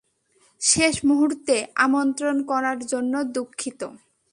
শেষ মূহুর্তে আমন্ত্রণ করার জন্য দুঃখিত।